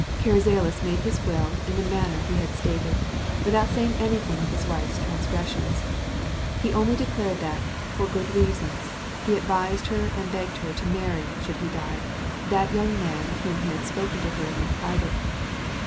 Carrizales made his will in the manner he had stated, without saying anything of his wife's transgressions; he only declared that, for good reasons, he advised, and begged her to marry, should he die, that young man of whom he had spoken to her in private.